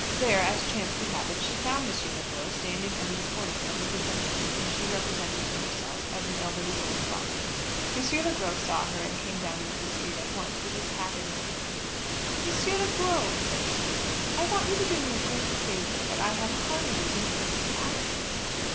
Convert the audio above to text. There, as chance would have it, she found M. Le Gros standing under the portico with a gentleman whom she represented to herself as an elderly old buck. M. Le Gros saw her and came down into the street at once with his hat in his hand. "M. Le Gros," said she, "I want you to do me a great favour, but I have hardly the impudence to ask it.